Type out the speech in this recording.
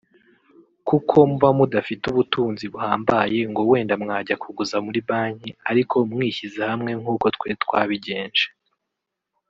Kuko muba mudafite ubutunzi buhambaye ngo wenda mwajya kuguza muri banki ariko mwishyize hamwe nk’uko twe twabigenje